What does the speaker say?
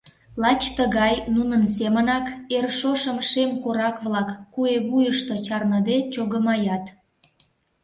Лач тыгай, нунын семынак, эр шошым шем корак-влак куэ вуйышто чарныде чогымаят.